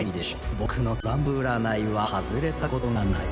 僕のトランプ占いは外れたことがない。